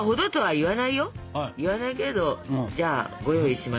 言わないけれどじゃあご用意しましょうか。